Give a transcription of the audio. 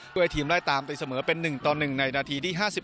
เพื่อให้ทีมไล่ตามตีเสมอเป็น๑ต่อ๑ในนาทีที่๕๑